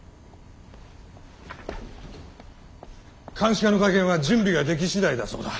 監視課の会見は準備ができ次第だそうだ。